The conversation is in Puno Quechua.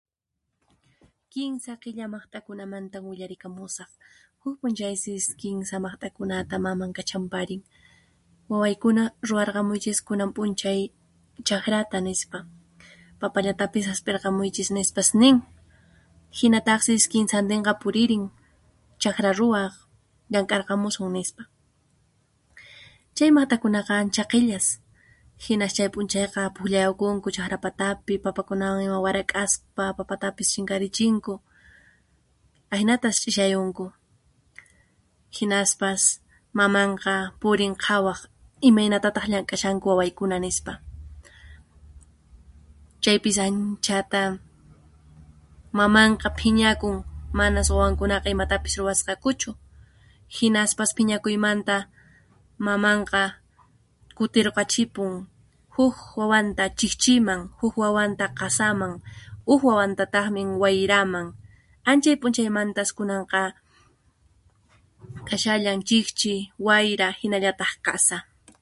Kinsa qilla maqt'akunamanta willarikamusaq, Huk p'unchaysis kinsa maqt'akunata maman kachanparin. –Wawaykuna rurarqamuychis kunan p'unchay chaqrata –nispa– –Papallatapis hasp'irqamuychis –nispas nin–. Hinataqsi , kinsantinqa puririn chaqra ruwaq, chay maqt'akunaqa ancha qillas, hinas chay p'unchaykunaqa phuqllayukunku chaqra patapi waraq'aspa papatapas chinkarichinku ahinatas ch'isiyarunku hinaspas mamanqa purin qhawaq. –Imaynatataq llank'ashanku wawaykuna, –nispa– chaypis anchata, mamanqa phiñakun manas wawankunaqa imatapis ruwasqakuchu hinaspas phiñakuymanta mamanqa kutirqachimun: Huq wawanta chiqchiman, huk wawanta qasaman, huk wawantataqmi wayraman, anchay p'unchaymantas kunanqa kashallan: chiqchi, wayra hinallataq qasa.